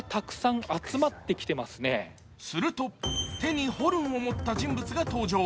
すると、手ににホルンを持った人物が登場。